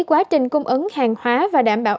quá trình cung ứng hàng hóa và đảm bảo